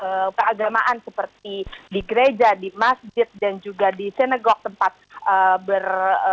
di keagamaan seperti di gereja di masjid dan juga di senegok tempat ber